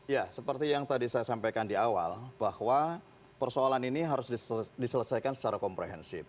ya seperti yang tadi saya sampaikan di awal bahwa persoalan ini harus diselesaikan secara komprehensif